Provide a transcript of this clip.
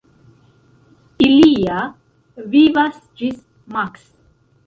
Ilia vivas ĝis maks.